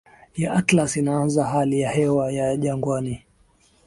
ya Atlas inaanza hali ya hewa ya jangwani